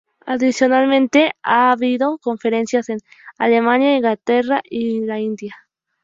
Adicionalmente ha habido conferencias en Alemania, Inglaterra y la India.